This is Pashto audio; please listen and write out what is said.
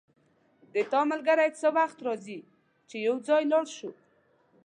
د تا ملګری څه وخت راځي چی یو ځای لاړ شو